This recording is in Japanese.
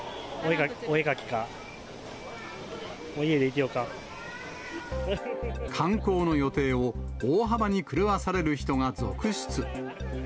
お絵描きか、観光の予定を大幅に狂わされる人が続出。